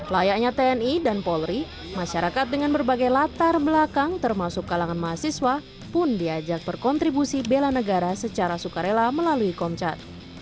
layaknya tni dan polri masyarakat dengan berbagai latar belakang termasuk kalangan mahasiswa pun diajak berkontribusi bela negara secara sukarela melalui komcat